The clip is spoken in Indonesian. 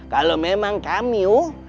kalau memang kamu